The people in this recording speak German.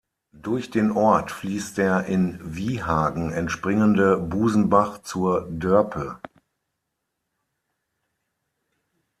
Durch den Ort fließt der in Wiehagen entspringende Busenbach zur Dörpe.